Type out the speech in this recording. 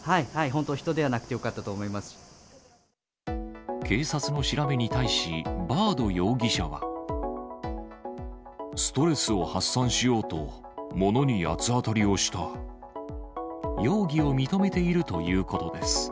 本当、人ではなくてよかったなと警察の調べに対し、バード容ストレスを発散しようと、容疑を認めているということです。